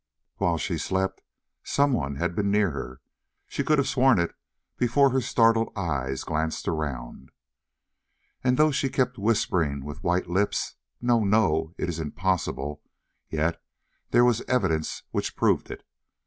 While she slept someone had been near her; she could have sworn it before her startled eyes glanced around. And though she kept whispering, with white lips, "No, no; it is impossible!" yet there was evidence which proved it.